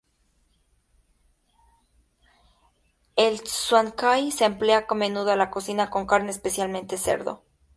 El "suan cai" se emplea a menudo en la cocina con carne, especialmente cerdo.